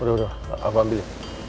udah udah aku ambil